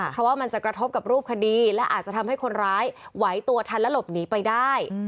เพราะว่ามันจะกระทบกับรูปคดีและอาจจะทำให้คนร้ายไหวตัวทันและหลบหนีไปได้